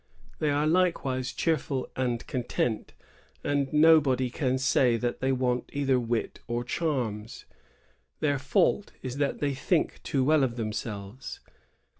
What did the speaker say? They are likewise cheerful and content, and nobody can say that they want either wit or charms. Their fault is that they think too well of themselves.